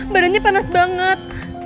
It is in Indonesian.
badannya panas banget